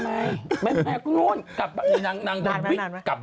ก่อนฉันรู้เรื่องว่าอันนี้สั่งนานมาก